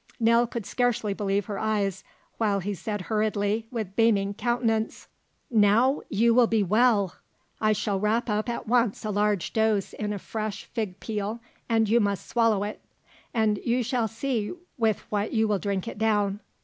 Nell could scarcely believe her eyes, while he said hurriedly, with beaming countenance: "Now you will be well! I shall wrap up at once a large dose in a fresh fig peel and you must swallow it. And you shall see with what you will drink it down.